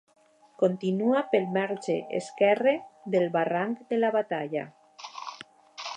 Continua pel marge esquerre del Barranc de la Batalla.